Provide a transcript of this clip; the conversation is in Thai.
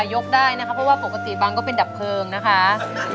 ยกได้นะคะเพราะว่าปกติบังก็เป็นดับเพลิงนะคะ